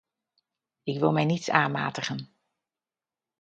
Ik wil mij niets aanmatigen.